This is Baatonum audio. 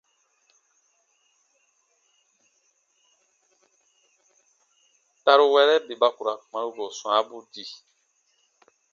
Taruwɛrɛ bè ba ku ra kparuko swãabuu di.